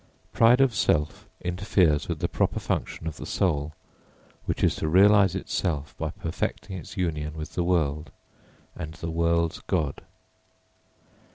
Pride of self interferes with the proper function of the soul which is to realise itself by perfecting its union with the world and the world's God.